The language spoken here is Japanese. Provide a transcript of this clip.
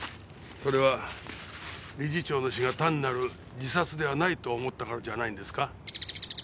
それは理事長の死が単なる自殺ではないと思ったからじゃないんですか？